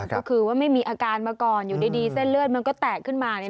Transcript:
ก็คือว่าไม่มีอาการมาก่อนอยู่ดีเส้นเลือดมันก็แตกขึ้นมา